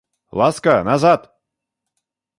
Ласка, назад!